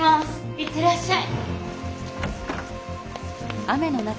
行ってらっしゃい。